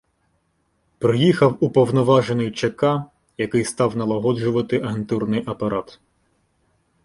Приїхав уповноважений ЧК, який став налагоджувати агентурний апарат.